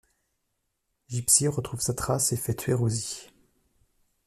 Gipsy retrouve sa trace et fait tuer Rosie.